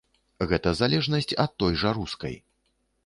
Гэта залежнасць ад той жа рускай.